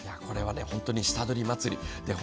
これは本当に下取り祭り。